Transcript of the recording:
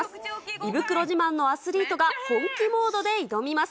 胃袋自慢のアスリートが本気モードで挑みます。